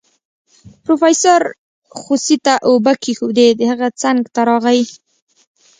پروفيسر خوسي ته اوبه کېښودې د هغه څنګ ته راغی.